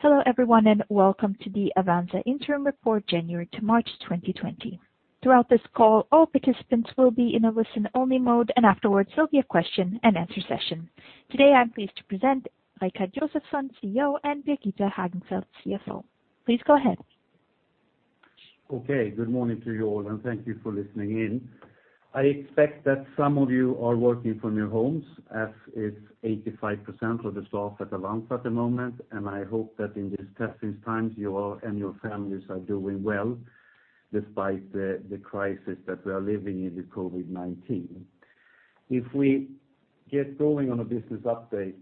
Hello everyone, and welcome to the Avanza Interim Report January to March 2020. Throughout this call, all participants will be in a listen-only mode, and afterwards there will be a question and answer session. Today, I'm pleased to present Rikard Josefson, CEO, and Birgitta Hagenfeldt, CFO. Please go ahead. Okay. Good morning to you all. Thank you for listening in. I expect that some of you are working from your homes, as is 85% of the staff at Avanza at the moment, and I hope that in these testing times, you all and your families are doing well despite the crisis that we are living in with COVID-19. If we get going on a business update,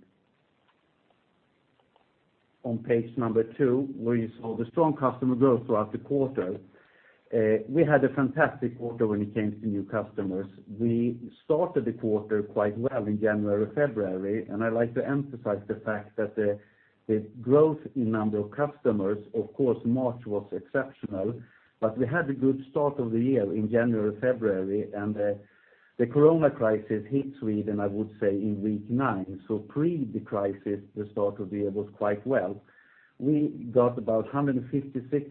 on page number two, where you saw the strong customer growth throughout the quarter. We had a fantastic quarter when it came to new customers. We started the quarter quite well in January, February, and I like to emphasize the fact that the growth in number of customers, of course, March was exceptional, but we had a good start of the year in January, February, and the corona crisis hit Sweden, I would say in week nine. Pre the crisis, the start of the year was quite well. We got about 156%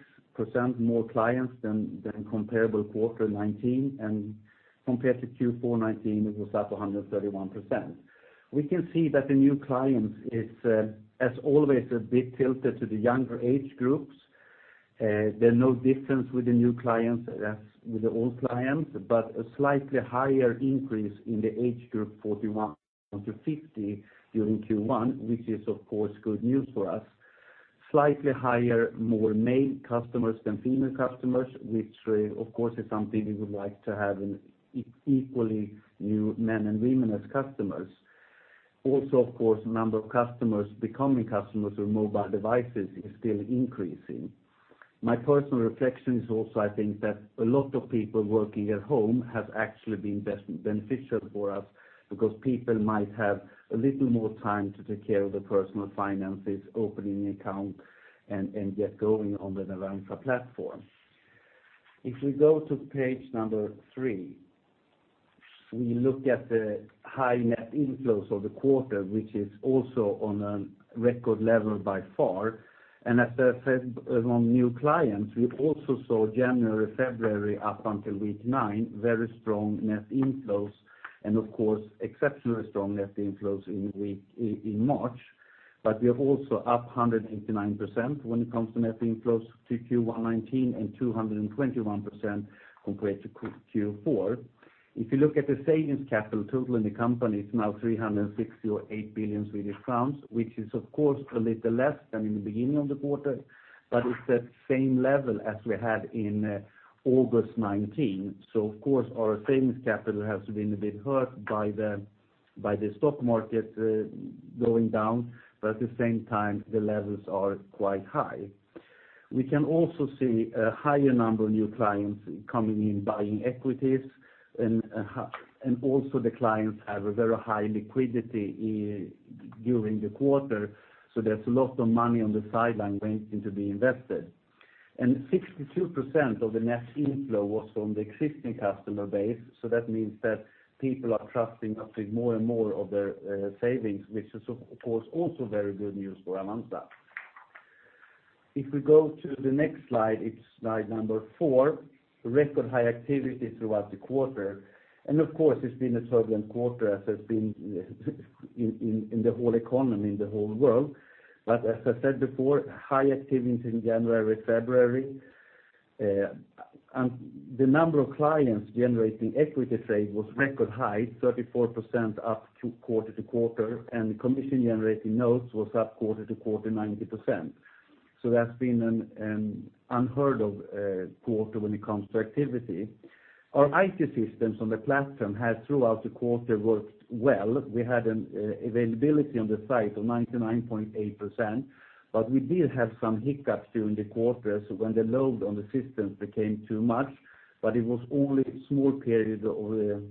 more clients than comparable quarter 2019, and compared to Q4 2019, it was up 131%. We can see that the new clients is, as always, a bit tilted to the younger age groups. There's no difference with the new clients as with the old clients, but a slightly higher increase in the age group 41 to 50 during Q1, which is of course good news for us. Slightly higher, more male customers than female customers, which of course, is something we would like to have an equally new men and women as customers. Of course, the number of customers becoming customers through mobile devices is still increasing. My personal reflection is also, I think that a lot of people working at home has actually been beneficial for us because people might have a little more time to take care of their personal finances, opening an account and get going on the Avanza platform. If we go to page number three, we look at the high net inflows of the quarter, which is also on a record level by far. As I said, on new clients, we also saw January, February, up until week nine, very strong net inflows and of course, exceptionally strong net inflows in March. We are also up 189% when it comes to net inflows to Q1 2019 and 221% compared to Q4. If you look at the savings capital total in the company, it's now 368 billion Swedish crowns, which is of course a little less than in the beginning of the quarter, but it's that same level as we had in August 2019. Of course, our savings capital has been a bit hurt by the stock market going down, but at the same time, the levels are quite high. We can also see a higher number of new clients coming in buying equities and also the clients have a very high liquidity during the quarter, so there's a lot of money on the sideline waiting to be invested. 62% of the net inflow was from the existing customer base, so that means that people are trusting us with more and more of their savings, which is of course also very good news for Avanza. If we go to the next slide, it's slide number four, record high activity throughout the quarter. Of course, it's been a turbulent quarter, as has been in the whole economy in the whole world. As I said before, high activity in January, February. The number of clients generating equity trade was record high, 34% up quarter-to-quarter, and the commission generating notes was up quarter-to-quarter 90%. That's been an unheard of quarter when it comes to activity. Our IT systems on the platform has throughout the quarter worked well. We had an availability on the site of 99.8%, but we did have some hiccups during the quarter. When the load on the systems became too much, but it was only small periods of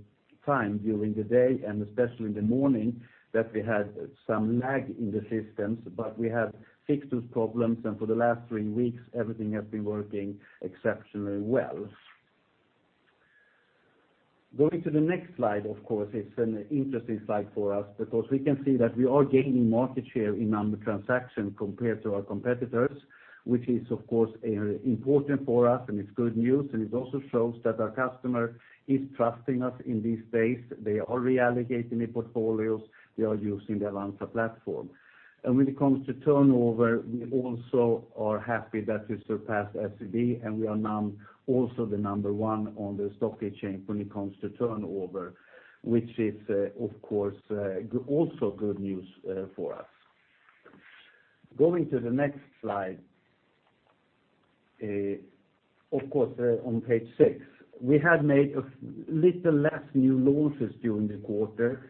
time during the day and especially in the morning that we had some lag in the systems. We have fixed those problems and for the last three weeks, everything has been working exceptionally well. Going to the next slide, of course, it's an interesting slide for us because we can see that we are gaining market share in number transaction compared to our competitors, which is of course important for us and it's good news, and it also shows that our customer is trusting us in these days. They are reallocating the portfolios. They are using the Avanza platform. When it comes to turnover, we also are happy that we surpassed SEB and we are now also the number one on the Stock Exchange when it comes to turnover, which is of course also good news for us. Going to the next slide, of course on page six. We had made a little less new launches during the quarter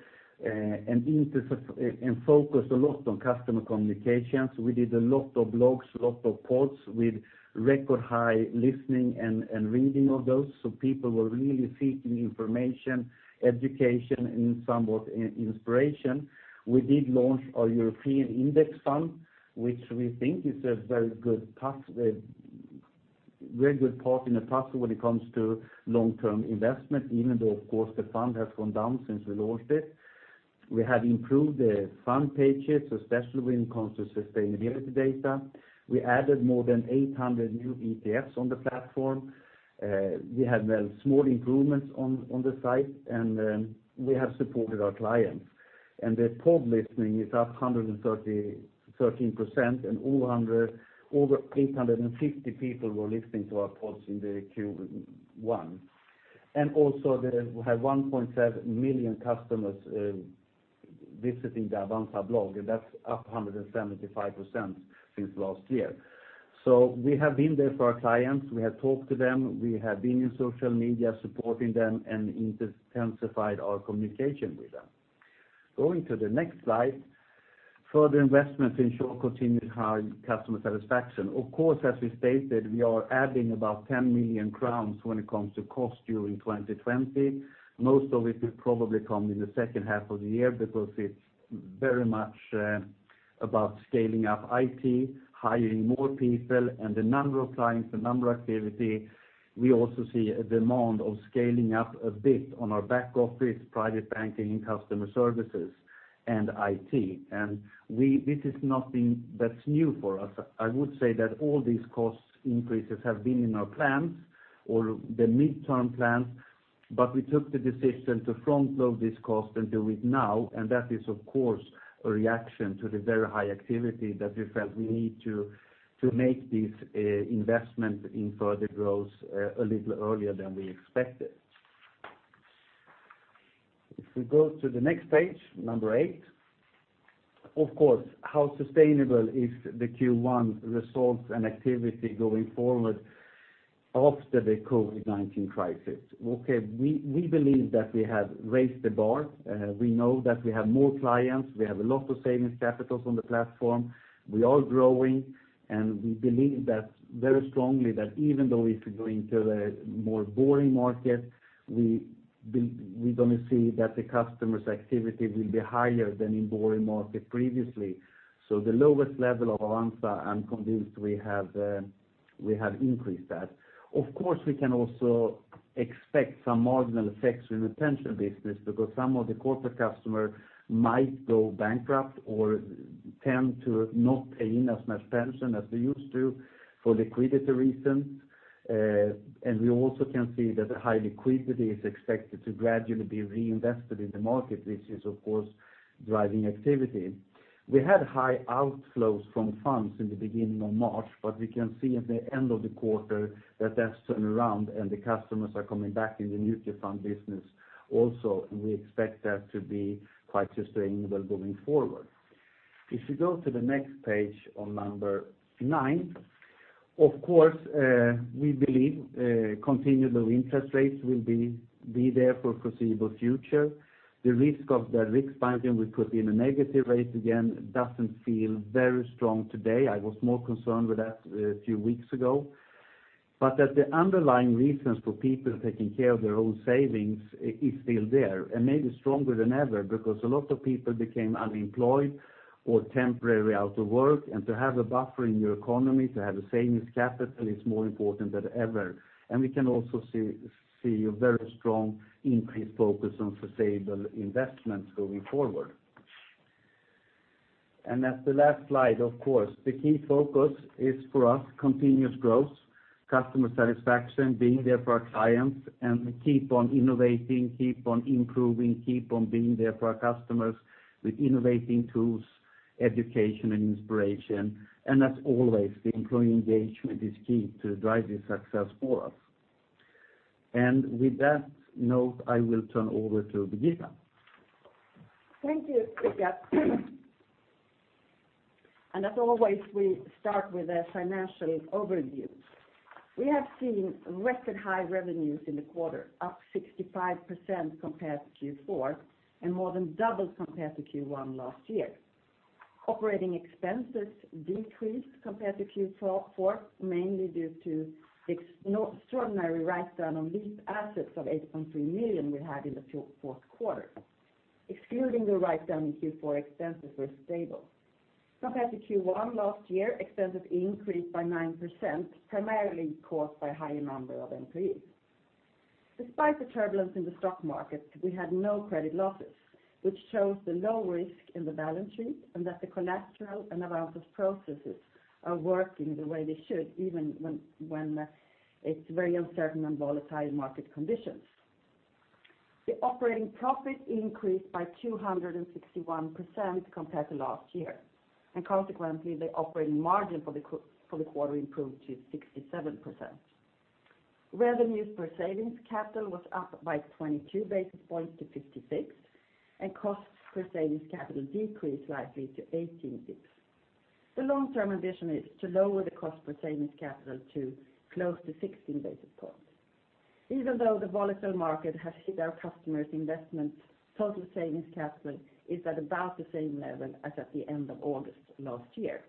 and focused a lot on customer communications. We did a lot of blogs, a lot of posts with record high listening and reading of those. People were really seeking information, education, and somewhat inspiration. We did launch our European index fund, which we think is a very good part in the puzzle when it comes to long-term investment, even though, of course, the fund has gone down since we launched it. We have improved the fund pages, especially when it comes to sustainability data. We added more than 800 new ETFs on the platform. We have small improvements on the site, and we have supported our clients. The pod listening is up 113%, and over 850 people were listening to our pods in Q1. Also, we have 1.7 million customers visiting the Avanza blog, and that's up 175% since last year. We have been there for our clients. We have talked to them, we have been in social media supporting them and intensified our communication with them. Going to the next slide. Further investments ensure continued high customer satisfaction. Of course, as we stated, we are adding about 10 million crowns when it comes to cost during 2020. Most of it will probably come in the second half of the year because it's very much about scaling up IT, hiring more people, and the number of clients, the number activity. We also see a demand of scaling up a bit on our back office, Private Banking, customer services, and IT. This is nothing that's new for us. I would say that all these cost increases have been in our plans or the midterm plan, but we took the decision to front-load this cost and do it now, and that is, of course, a reaction to the very high activity that we felt we need to make this investment in further growth a little earlier than we expected. If we go to the next page, number eight. Of course, how sustainable is the Q1 results and activity going forward after the COVID-19 crisis? Okay. We believe that we have raised the bar. We know that we have more clients. We have a lot of savings capitals on the platform. We are growing, and we believe very strongly that even though if we go into the more boring market, we're going to see that the customers' activity will be higher than in boring market previously. The lowest level of Avanza, I'm convinced we have increased that. Of course, we can also expect some marginal effects with pension business because some of the corporate customer might go bankrupt or tend to not pay in as much pension as they used to for liquidity reasons. We also can see that high liquidity is expected to gradually be reinvested in the market, which is, of course, driving activity. We had high outflows from funds in the beginning of March, but we can see at the end of the quarter that that's turned around and the customers are coming back in the mutual fund business also, and we expect that to be quite sustainable going forward. If you go to the next page on number nine, of course, we believe continual interest rates will be there for foreseeable future. The risk of the Riksbank will put in a negative rate again doesn't feel very strong today. I was more concerned with that a few weeks ago, but that the underlying reasons for people taking care of their own savings is still there and maybe stronger than ever because a lot of people became unemployed or temporarily out of work. To have a buffer in your economy, to have a savings capital is more important than ever. We can also see a very strong increased focus on sustainable investments going forward. That's the last slide, of course. The key focus is for us, continuous growth, customer satisfaction, being there for our clients, and we keep on innovating, keep on improving, keep on being there for our customers with innovating tools, education, and inspiration. As always, the employee engagement is key to driving success for us. With that note, I will turn over to Birgitta. Thank you, Rikard. As always, we start with a financial overview. We have seen record high revenues in the quarter, up 65% compared to Q4 and more than double compared to Q1 last year. Operating expenses decreased compared to Q4, mainly due to extraordinary write-down on leased assets of 8.3 million we had in the Q4. Excluding the write-down in Q4, expenses were stable. Compared to Q1 last year, expenses increased by 9%, primarily caused by higher number of employees. Despite the turbulence in the stock market, we had no credit losses, which shows the low risk in the balance sheet and that the collateral and advances processes are working the way they should, even when it's very uncertain and volatile market conditions. The operating profit increased by 261% compared to last year, and consequently, the operating margin for the quarter improved to 67%. Revenues per savings capital was up by 22 basis points to 56, costs per savings capital decreased slightly to 18 basis points. The long-term ambition is to lower the cost per savings capital to close to 16 basis points. Even though the volatile market has hit our customers' investment, total savings capital is at about the same level as at the end of August last year.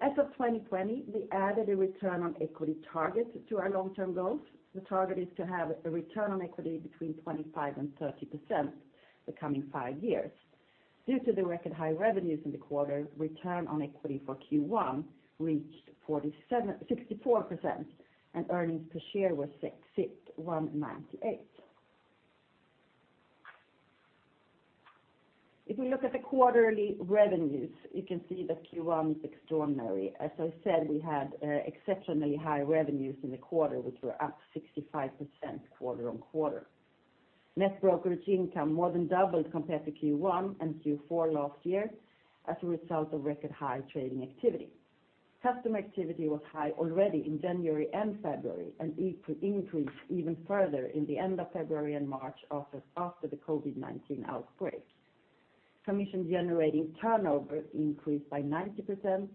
As of 2020, we added a return on equity target to our long-term goals. The target is to have a return on equity between 25% and 30% the coming five years. Due to the record high revenues in the quarter, return on equity for Q1 reached 64%, and earnings per share was 1.98. If we look at the quarterly revenues, you can see that Q1 is extraordinary. As I said, we had exceptionally high revenues in the quarter, which were up 65% quarter-on-quarter. Net brokerage income more than doubled compared to Q1 and Q4 last year as a result of record high trading activity. Customer activity was high already in January and February, and it increased even further in the end of February and March after the COVID-19 outbreak. Commission-generating turnover increased by 90%,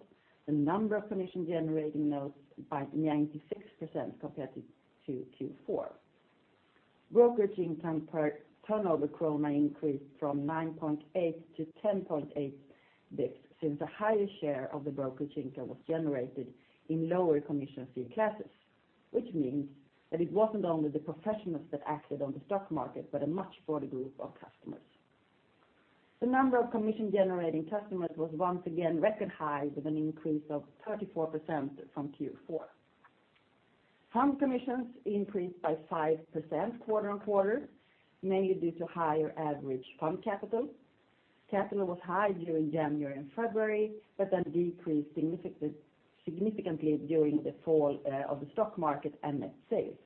the number of commission-generating notes by 96% compared to Q4. Brokerage income per turnover krona increased from 9.8 to 10.8 basis points, since a higher share of the brokerage income was generated in lower commission fee classes, which means that it wasn't only the professionals that acted on the stock market, but a much broader group of customers. The number of commission-generating customers was once again record high with an increase of 34% from Q4. Fund commissions increased by 5% quarter-on-quarter, mainly due to higher average fund capital. Capital was high during January and February, but then decreased significantly during the fall of the stock market and net sales.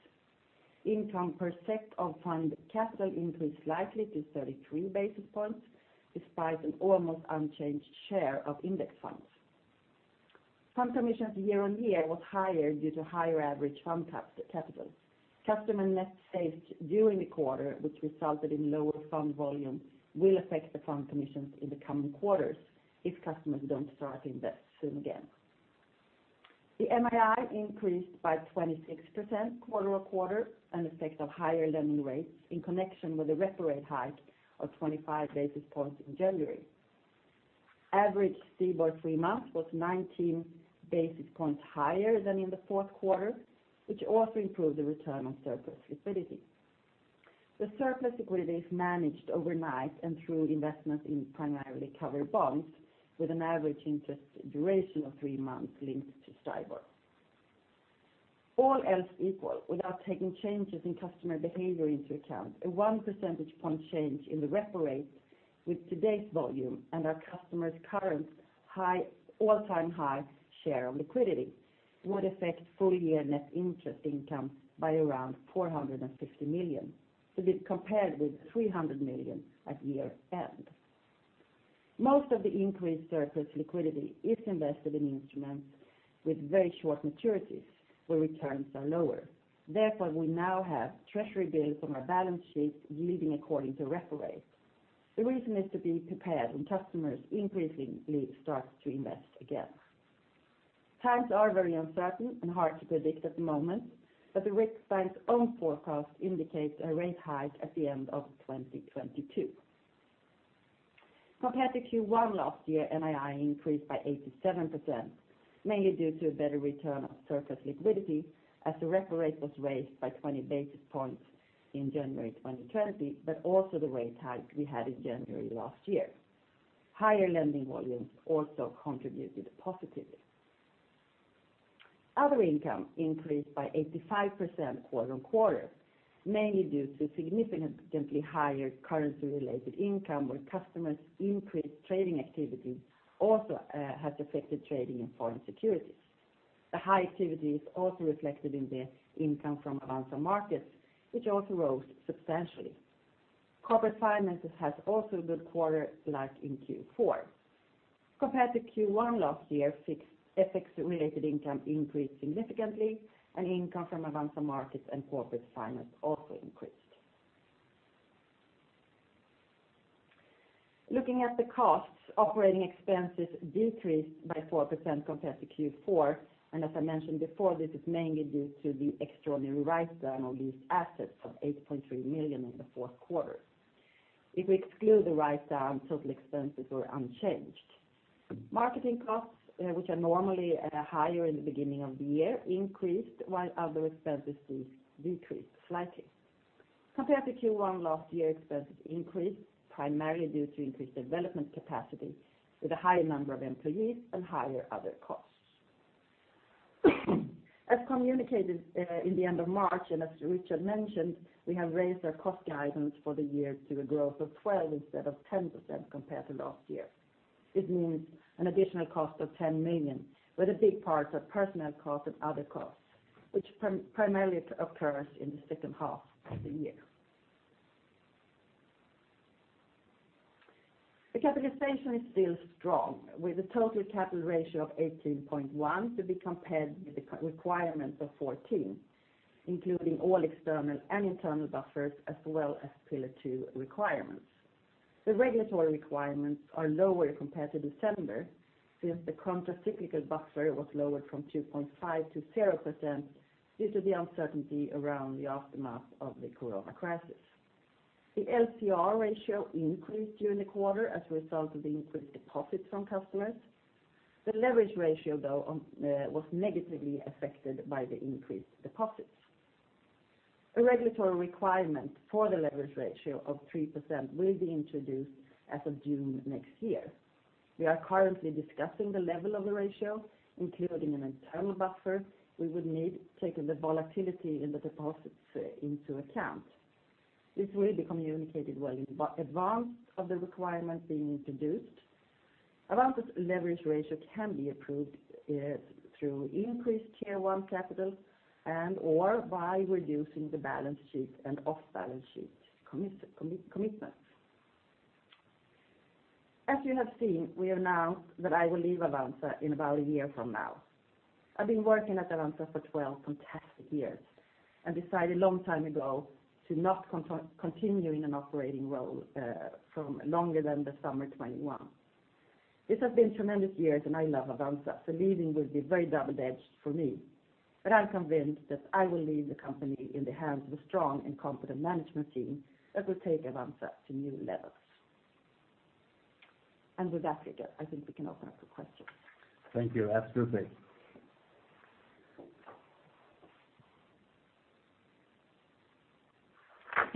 Income per SEK of fund capital increased slightly to 33 basis points despite an almost unchanged share of index funds. Fund commissions year-on-year was higher due to higher average fund capital. Customer net saved during the quarter, which resulted in lower fund volume will affect the fund commissions in the coming quarters if customers don't start to invest soon again. The NII increased by 26% quarter-on-quarter, an effect of higher lending rates in connection with the repo rate hike of 25 basis points in January. Average three-month STIBOR was 19 basis points higher than in the Q4, which also improved the return on surplus liquidity. The surplus liquidity is managed overnight and through investments in primarily covered bonds with an average interest duration of three months linked to STIBOR. All else equal, without taking changes in customer behavior into account, a one percentage point change in the repo rate with today's volume and our customers' current all-time high share of liquidity would affect full year net interest income by around 450 million to be compared with 300 million at year end. Most of the increased surplus liquidity is invested in instruments with very short maturities where returns are lower. Therefore, we now have treasury bills on our balance sheet yielding according to repo rate. The reason is to be prepared when customers increasingly start to invest again. Times are very uncertain and hard to predict at the moment, but the Riksbank's own forecast indicates a rate hike at the end of 2022. Compared to Q1 last year, NII increased by 87%, mainly due to a better return on surplus liquidity as the repo rate was raised by 20 basis points in January 2020, but also the rate hike we had in January last year. Higher lending volumes also contributed positively. Other income increased by 85% quarter-on-quarter, mainly due to significantly higher currency-related income where customers' increased trading activity also has affected trading in foreign securities. The high activity is also reflected in the income from Avanza Markets, which also rose substantially. Corporate Finance has also a good quarter like in Q4. Compared to Q1 last year, FX-related income increased significantly, and income from Avanza Markets and Corporate Finance also increased. Looking at the costs, operating expenses decreased by 4% compared to Q4. As I mentioned before, this is mainly due to the extraordinary write-down on leased assets of 8.3 million in the Q4. If we exclude the write-down, total expenses were unchanged. Marketing costs, which are normally higher in the beginning of the year, increased while other expenses decreased slightly. Compared to Q1 last year, expenses increased primarily due to increased development capacity with a higher number of employees and higher other costs. As communicated in the end of March and as Rikard mentioned, we have raised our cost guidance for the year to a growth of 12% instead of 10% compared to last year. This means an additional cost of 10 million, where the big parts are personnel costs and other costs, which primarily occurs in the second half of the year. The capitalization is still strong with a total capital ratio of 18.1 to be compared with the requirement of 14, including all external and internal buffers as well as Pillar 2 requirements. The regulatory requirements are lower compared to December, since the countercyclical buffer was lowered from 2.5% to 0% due to the uncertainty around the aftermath of the COVID-19 crisis. The LCR ratio increased during the quarter as a result of the increased deposits from customers. The leverage ratio, though, was negatively affected by the increased deposits. A regulatory requirement for the leverage ratio of 3% will be introduced as of June next year. We are currently discussing the level of the ratio, including an internal buffer we would need, taking the volatility in the deposits into account. This will be communicated well in advance of the requirement being introduced. Avanza leverage ratio can be improved through increased Tier 1 capital and/or by reducing the balance sheet and off-balance sheet commitments. As you have seen, we have announced that I will leave Avanza in about a year from now. I've been working at Avanza for 12 fantastic years. Decided a long time ago to not continue in an operating role for longer than the summer 2021. This has been tremendous years. I love Avanza, leaving will be very double-edged for me. I'm convinced that I will leave the company in the hands of a strong and competent management team that will take Avanza to new levels. With that, Rikard, I think we can open up for questions. Thank you. Absolutely.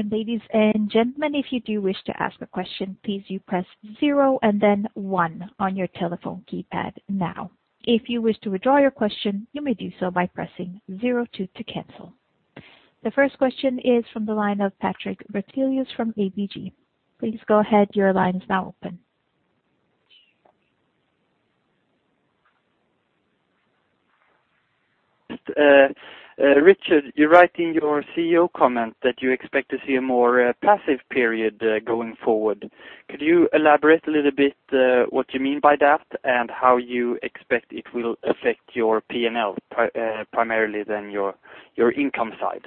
Ladies and gentlemen, if you do wish to ask a question, please press zero and then one on your telephone keypad now. If you wish to withdraw your question, you may do so by pressing zero two to cancel. The first question is from the line of Patrik Brattelius from ABG. Please go ahead. Your line is now open. Rikard, you write in your CEO comment that you expect to see a more passive period going forward. Could you elaborate a little bit what you mean by that and how you expect it will affect your P&L primarily than your income side?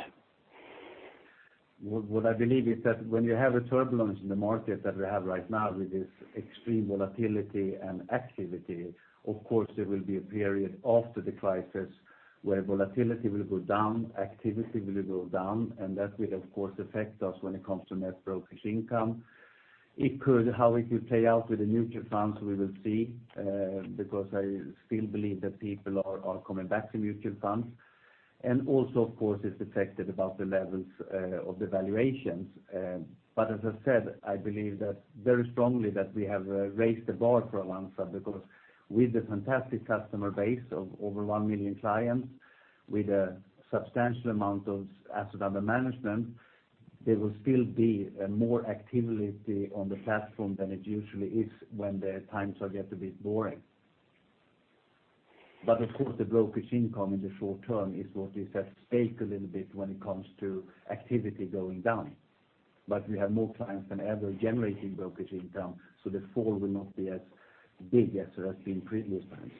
What I believe is that when you have a turbulence in the market that we have right now with this extreme volatility and activity, of course there will be a period after the crisis where volatility will go down, activity will go down, and that will, of course, affect us when it comes to net brokerage income. How it will play out with the mutual funds, we will see, because I still believe that people are coming back to mutual funds. Also, of course, it's affected about the levels of the valuations. As I said, I believe very strongly that we have raised the bar for Avanza because with the fantastic customer base of over one million clients with a substantial amount of assets under management, there will still be more activity on the platform than it usually is when the times are yet a bit boring. Of course, the brokerage income in the short term is what is at stake a little bit when it comes to activity going down. We have more clients than ever generating brokerage income, so the fall will not be as big as it has been previous times.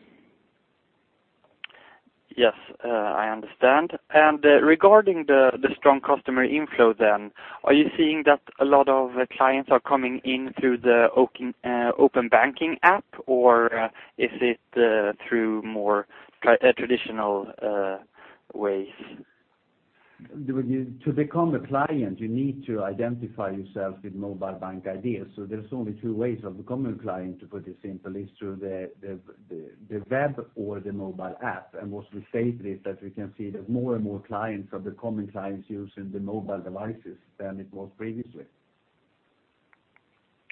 Yes, I understand. Regarding the strong customer inflow then, are you seeing that a lot of clients are coming in through the open banking app, or is it through more traditional ways? To become a client, you need to identify yourself with mobile BankID. There's only two ways of becoming a client, to put it simply, is through the web or the mobile app. What we say is that we can see that more and more clients are becoming clients using the mobile devices than it was previously.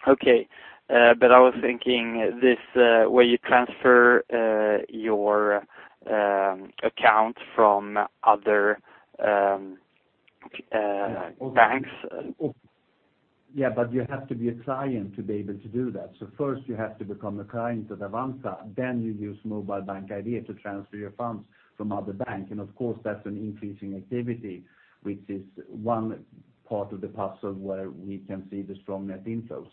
Okay. I was thinking this where you transfer your account from other banks. You have to be a client to be able to do that. First you have to become a client at Avanza, then you use mobile BankID to transfer your funds from other bank. Of course, that's an increasing activity, which is one part of the puzzle where we can see the strong net inflows.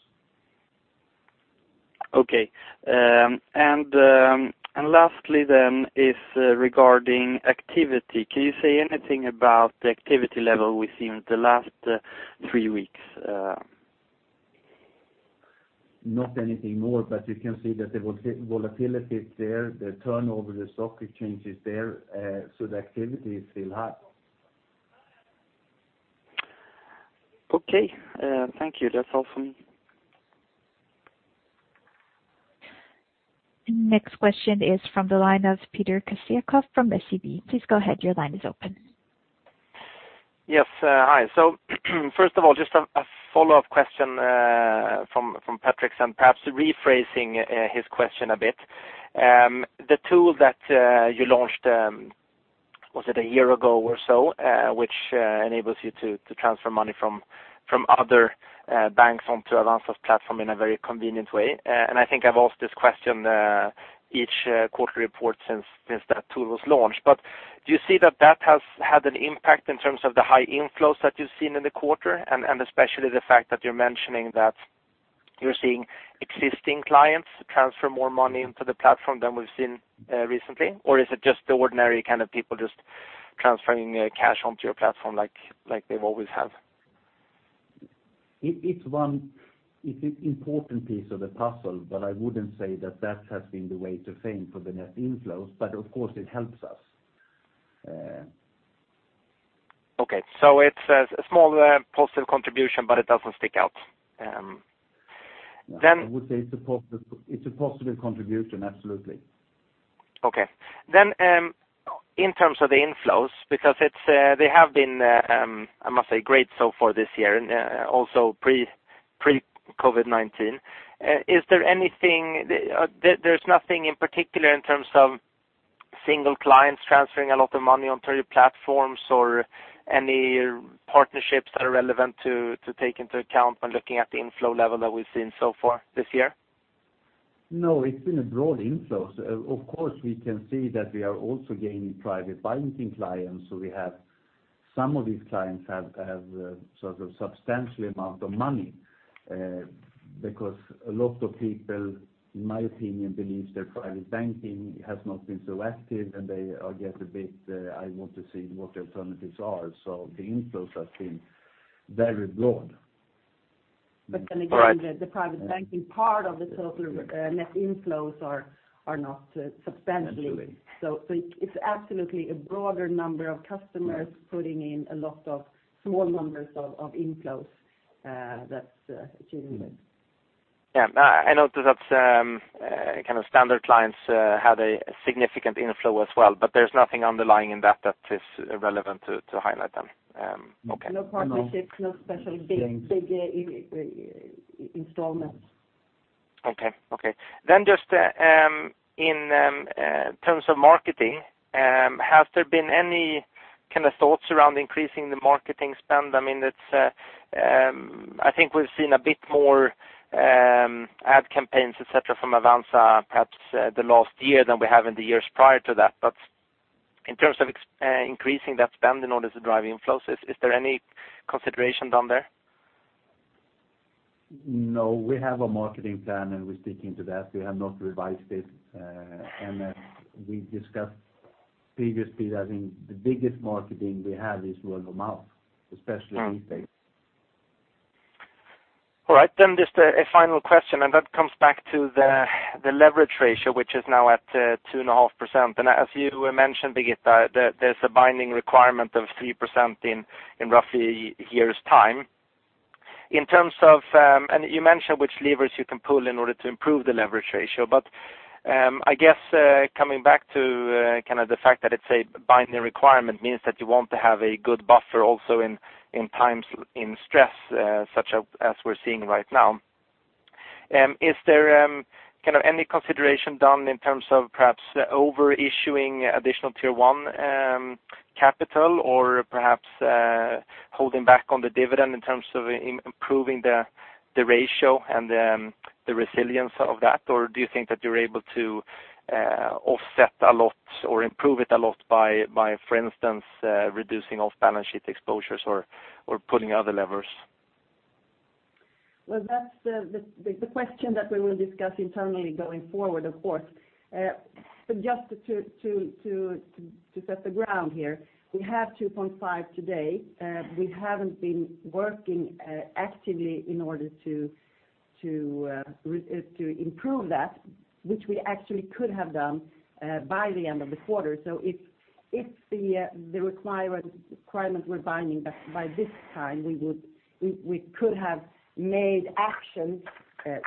Okay. Lastly is regarding activity. Can you say anything about the activity level we've seen the last three weeks? Not anything more. You can see that the volatility is there, the turnover, the stock exchange is there. The activity is still high. Okay. Thank you. That's all from me. Next question is from the line of Peter Kessiakoff from SEB. Please go ahead. Your line is open. Yes. Hi. First of all, just a follow-up question from Patrik, and perhaps rephrasing his question a bit. The tool that you launched, was it a year ago or so, which enables you to transfer money from other banks onto Avanza platform in a very convenient way. I think I've asked this question each quarterly report since that tool was launched. Do you see that that has had an impact in terms of the high inflows that you've seen in the quarter, and especially the fact that you're mentioning that you're seeing existing clients transfer more money into the platform than we've seen recently? Is it just the ordinary people just transferring cash onto your platform like they always have? It's one important piece of the puzzle, but I wouldn't say that that has been the way to fame for the net inflows, but of course it helps us. Okay. It's a small positive contribution, but it doesn't stick out. I would say it's a positive contribution, absolutely. Okay. In terms of the inflows, because they have been, I must say, great so far this year, and also pre-COVID-19. There's nothing in particular in terms of single clients transferring a lot of money onto your platforms or any partnerships that are relevant to take into account when looking at the inflow level that we've seen so far this year? No, it's been broad inflows. Of course, we can see that we are also gaining Private Banking clients, so we have some of these clients have substantial amount of money, because a lot of people, in my opinion, believe their Private Banking has not been so active and they get a bit, I want to see what the alternatives are. The inflows have been very broad. Again, the private banking part of the total net inflows are not substantial. Absolutely. It's absolutely a broader number of customers putting in a lot of small numbers of inflows that's achieving this. Yeah. I noticed that standard clients had a significant inflow as well, but there's nothing underlying in that is relevant to highlight then? Okay. No partnerships, no special big installments. Just in terms of marketing, has there been any thoughts around increasing the marketing spend? I think we've seen a bit more ad campaigns, et cetera, from Avanza perhaps the last year than we have in the years prior to that. In terms of increasing that spend in order to drive inflows, is there any consideration done there? No, we have a marketing plan, and we're sticking to that. We have not revised it. As we discussed previously, I think the biggest marketing we have is word of mouth, especially these days. All right, just a final question, and that comes back to the leverage ratio, which is now at 2.5%. As you mentioned, Birgitta, there's a binding requirement of 3% in roughly a year's time. You mentioned which levers you can pull in order to improve the leverage ratio. I guess coming back to the fact that it's a binding requirement means that you want to have a good buffer also in times in stress, such as we're seeing right now. Is there any consideration done in terms of perhaps over-issuing additional Tier 1 capital or perhaps holding back on the dividend in terms of improving the ratio and the resilience of that? Do you think that you're able to offset a lot or improve it a lot by, for instance, reducing off-balance sheet exposures or pulling other levers? Well, that's the question that we will discuss internally going forward, of course. Just to set the ground here, we have 2.5 today. We haven't been working actively in order to improve that, which we actually could have done by the end of the quarter. If the requirement were binding by this time, we could have made actions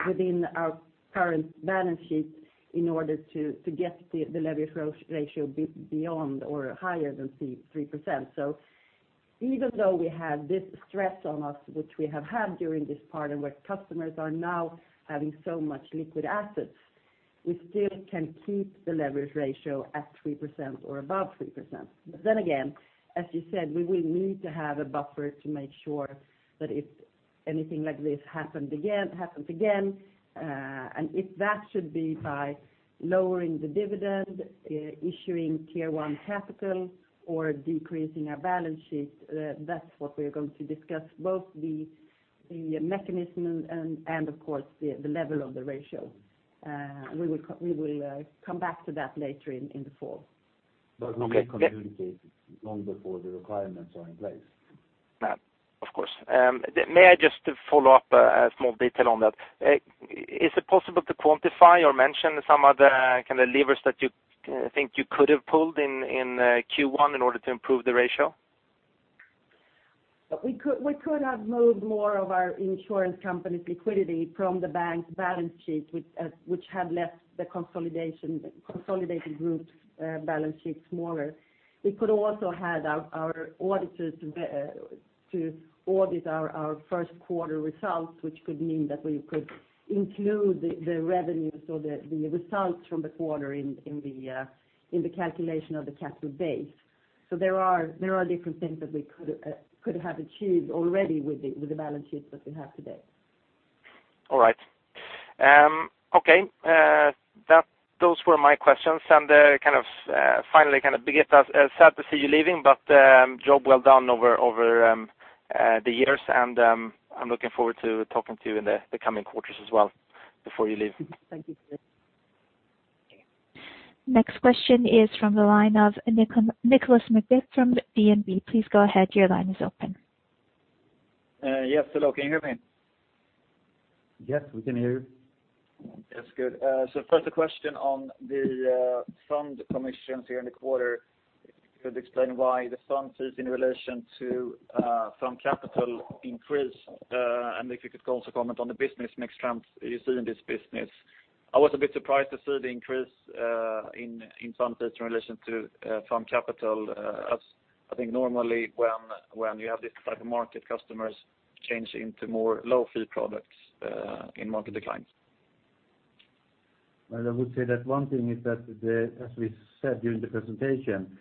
within our current balance sheet in order to get the leverage ratio beyond or higher than 3%. Even though we had this stress on us, which we have had during this part and where customers are now having so much liquid assets, we still can keep the leverage ratio at 3% or above 3%. Again, as you said, we will need to have a buffer to make sure that if anything like this happens again, and if that should be by lowering the dividend, issuing Tier 1 capital, or decreasing our balance sheet, that's what we are going to discuss, both the mechanism and of course, the level of the ratio. We will come back to that later in the fall. We may communicate long before the requirements are in place. Of course. May I just follow up a small detail on that? Is it possible to quantify or mention some of the levers that you think you could have pulled in Q1 in order to improve the ratio? We could have moved more of our insurance company's liquidity from the bank's balance sheet, which had left the consolidated group's balance sheet smaller. We could also had our auditors to audit our Q1 results, which could mean that we could include the revenue, so the results from the quarter in the calculation of the capital base. There are different things that we could have achieved already with the balance sheets that we have today. All right. Okay. Those were my questions. Finally, Birgitta, sad to see you leaving, but job well done over the years, and I'm looking forward to talking to you in the coming quarters as well before you leave. Thank you. Next question is from the line of Nicolas McBeath from DNB. Please go ahead. Your line is open. Yes. Hello, can you hear me? Yes, we can hear you. That's good. First, a question on the fund commissions here in the quarter. If you could explain why the fund fees in relation to fund capital increased, and if you could also comment on the business mix trend you see in this business. I was a bit surprised to see the increase in fund fees in relation to fund capital, as I think normally when you have this type of market, customers change into lower fee products in market declines. Well, I would say that one thing is that, as we said during the presentation,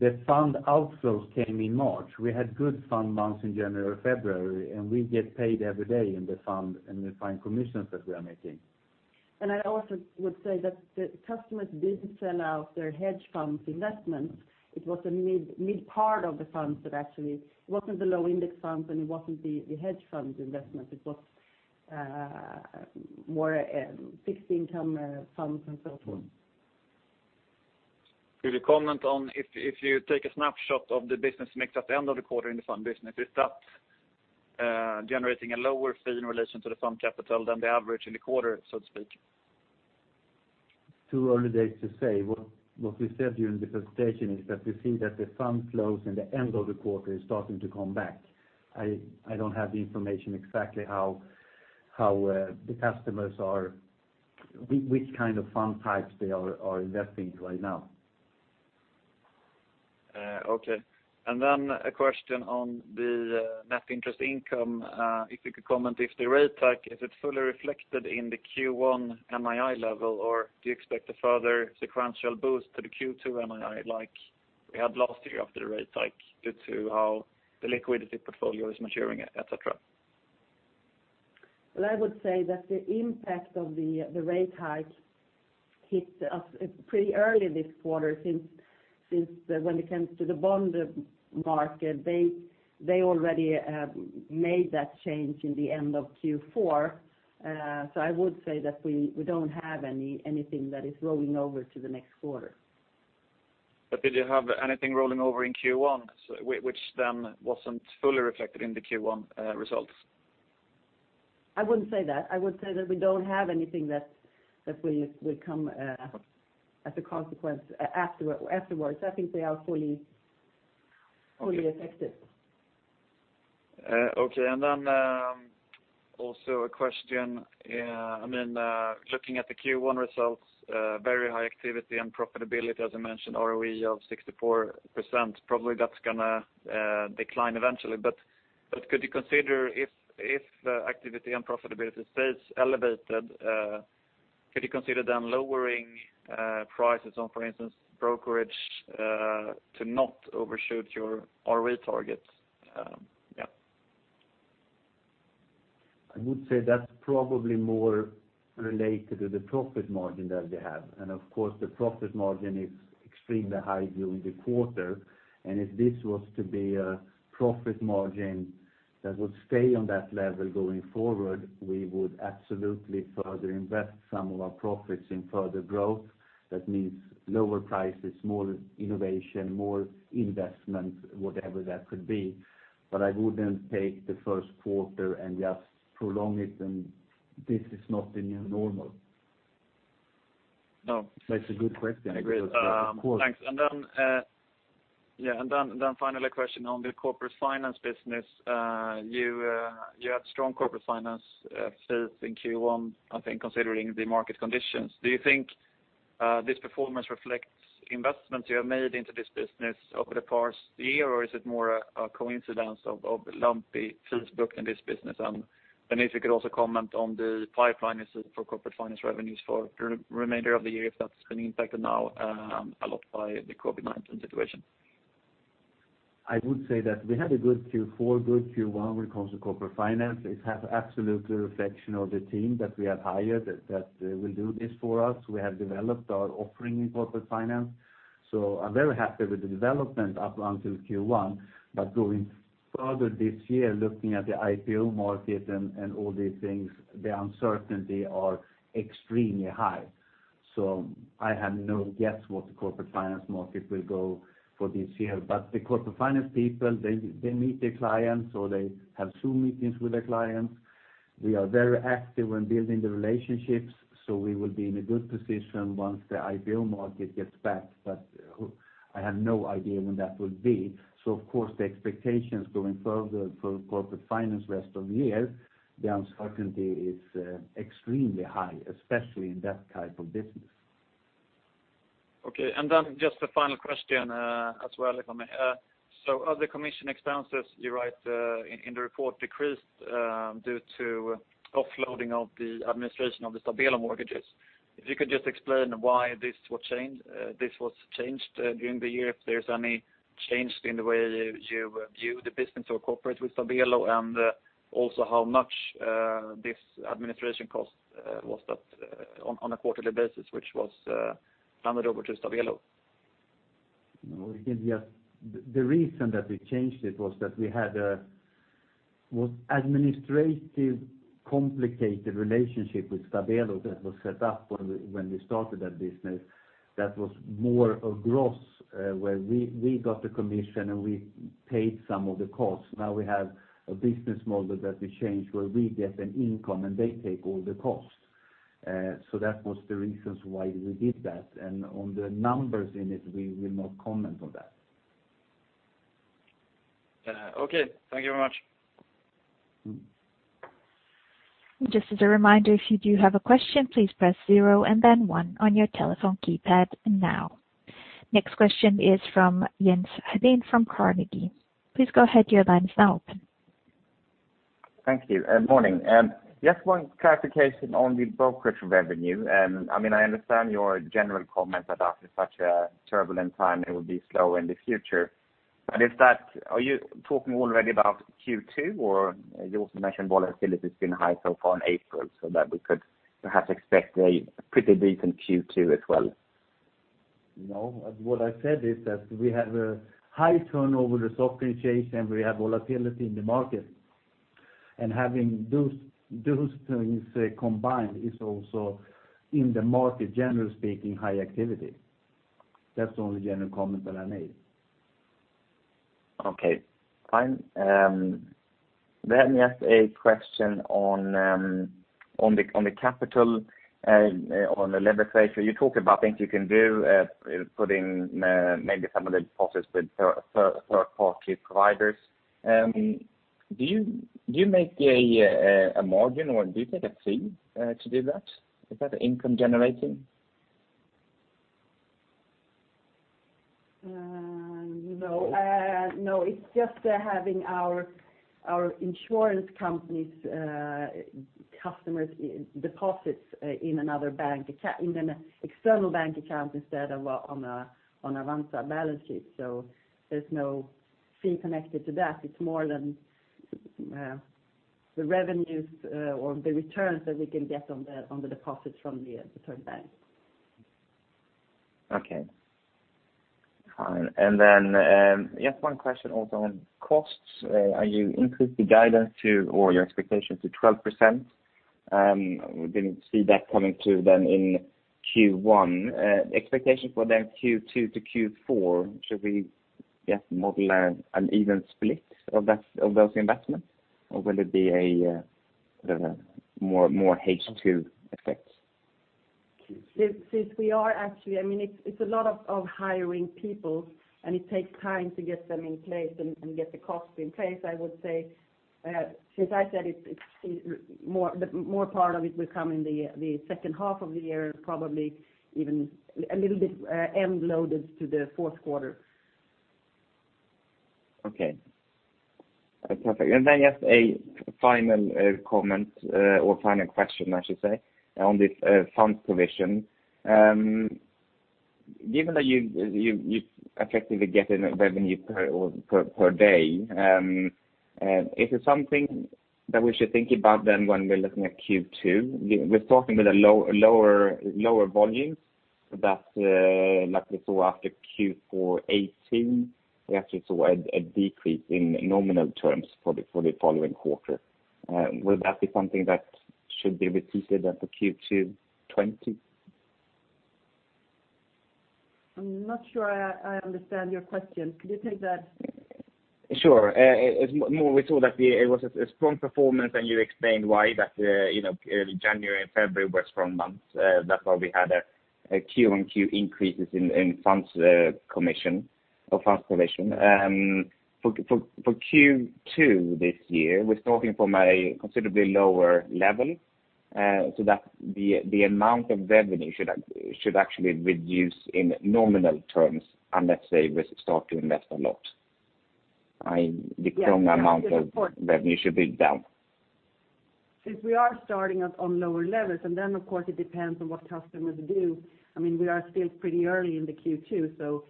the fund outflows came in March. We had good fund months in January, February, and we get paid every day in the fund and the fine commissions that we are making. I also would say that the customers didn't sell out their hedge funds investments. It was the mid part of the funds that actually. It wasn't the low index funds and it wasn't the hedge funds investments. It was more fixed income funds and so forth. Could you comment on if you take a snapshot of the business mix at the end of the quarter in the fund business, is that generating a lower fee in relation to the fund capital than the average in the quarter, so to speak? Too early days to say. What we said during the presentation is that we see that the fund flows in the end of the quarter is starting to come back. I don't have the information exactly how the customers are which kind of fund types they are investing in right now. Okay. A question on the net interest income. If you could comment if the rate hike, is it fully reflected in the Q1 NII level, or do you expect a further sequential boost to the Q2 NII like we had last year after the rate hike due to how the liquidity portfolio is maturing, et cetera? I would say that the impact of the rate hike hit us pretty early this quarter, since when it comes to the bond market, they already made that change in the end of Q4. I would say that we don't have anything that is rolling over to the next quarter. Did you have anything rolling over in Q1, which then wasn't fully reflected in the Q1 results? I wouldn't say that. I would say that we don't have anything that will come as a consequence afterwards. I think they are fully affected. Okay. Also a question. Looking at the Q1 results, very high activity and profitability, as I mentioned, ROE of 64%. Probably that's going to decline eventually, could you consider if the activity and profitability stays elevated, could you consider then lowering prices on, for instance, brokerage, to not overshoot your ROE targets? Yeah. I would say that's probably more related to the profit margin that we have. Of course, the profit margin is extremely high during the quarter. If this was to be a profit margin that would stay on that level going forward, we would absolutely further invest some of our profits in further growth. That means lower prices, more innovation, more investment, whatever that could be. I wouldn't take the Q1 and just prolong it, and this is not the new normal. No. It's a good question. Agreed. Thanks. Finally, a question on the Corporate Finance business. You had strong Corporate Finance fees in Q1, I think, considering the market conditions. Do you think this performance reflects investments you have made into this business over the past year, or is it more a coincidence of lumpy fees booked in this business? If you could also comment on the pipeline for Corporate Finance revenues for the remainder of the year, if that's been impacted now a lot by the COVID-19 situation. I would say that we had a good Q4, good Q1 when it comes to Corporate Finance. It has absolutely reflection of the team that we have hired that will do this for us. We have developed our offering in Corporate Finance, so I'm very happy with the development up until Q1. Going further this year, looking at the IPO market and all these things, the uncertainty are extremely high. I have no guess what the Corporate Finance market will go for this year. The Corporate Finance people, they meet their clients, or they have Zoom meetings with their clients. We are very active when building the relationships, so we will be in a good position once the IPO market gets back, but I have no idea when that will be. Of course, the expectations going further for Corporate Finance rest of the year, the uncertainty is extremely high, especially in that type of business. Okay, just a final question as well, if I may. Other commission expenses you write in the report decreased due to offloading of the administration of the Stabelo mortgages. If you could just explain why this was changed during the year, if there's any change in the way you view the business or cooperate with Stabelo, and also how much this administration cost was that on a quarterly basis, which was handed over to Stabelo? The reason that we changed it was that we had a administrative complicated relationship with Stabelo that was set up when we started that business. That was more a gross, where we got the commission and we paid some of the costs. Now we have a business model that we changed where we get an income and they take all the costs. That was the reasons why we did that. On the numbers in it, we will not comment on that. Okay. Thank you very much. Just as a reminder, if you do have a question, please press zero and then one on your telephone keypad now. Next question is from Jens Hallén from Carnegie. Please go ahead, your line is open. Thank you. Morning. Just one clarification on the brokerage revenue. I understand your general comment that after such a turbulent time, it will be slow in the future. Are you talking already about Q2, or you also mentioned volatility has been high so far in April so that we could perhaps expect a pretty decent Q2 as well? No. What I said is that we have a high turnover with software change, and we have volatility in the market. Having those things combined is also, in the market, generally speaking, high activity. That's the only general comment that I made. Okay, fine. Just a question on the capital, on the leverage side. You talk about things you can do, putting maybe some of the deposits with third-party providers. Do you make a margin, or do you take a fee to do that? Is that income generating? No. It's just having our insurance company's customers' deposits in an external bank account instead of on Avanza balance sheet. There's no fee connected to that. It's more than the revenues or the returns that we can get on the deposits from the third bank. Okay, fine. Just one question also on costs. You increased the guidance to, or your expectation to 12%. We didn't see that coming to then in Q1. Expectation for then Q2 to Q4, should we just model an even split of those investments? Will it be a, I don't know, more H2 effect? It's a lot of hiring people, and it takes time to get them in place and get the cost in place. I would say, since I said more part of it will come in the second half of the year, probably even a little bit end-loaded to the Q4. Okay. That's perfect. Then just a final comment, or final question, I should say, on this funds commission. Given that you effectively get in revenue per day, is it something that we should think about then when we're looking at Q2? We're starting with a lower volumes that, like we saw after Q4 2018, we actually saw a decrease in nominal terms for the following quarter. Will that be something that should be repeated then for Q2 2020? I'm not sure I understand your question. Could you take that? Sure. We saw that it was a strong performance, and you explained why that early January and February were strong months. That's why we had Q on Q increases in funds commission or funds commission. For Q2 this year, we're starting from a considerably lower level, so the amount of revenue should actually reduce in nominal terms unless they will start to invest a lot. The amount of revenue should be down. Since we are starting at on lower levels, of course it depends on what customers do. We are still pretty early in the Q2.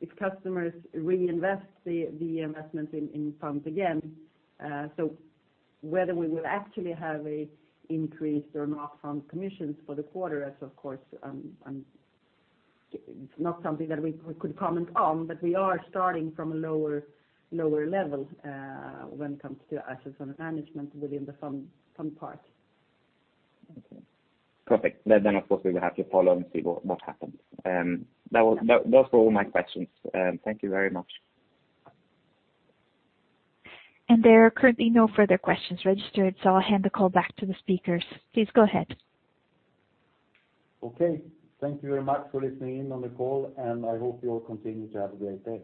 If customers reinvest the investment in funds again, so whether we will actually have a increase or not fund commissions for the quarter, that's of course not something that we could comment on. We are starting from a lower level when it comes to assets under management within the fund part. Okay. Perfect. Of course, we will have to follow and see what happens. Those were all my questions. Thank you very much. There are currently no further questions registered, so I'll hand the call back to the speakers. Please go ahead. Okay. Thank you very much for listening in on the call. I hope you all continue to have a great day.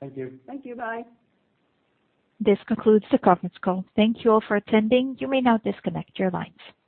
Thank you. Thank you. Bye. This concludes the conference call. Thank you all for attending. You may now disconnect your lines.